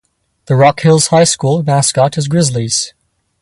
The Rock Hills High School mascot is Grizzlies.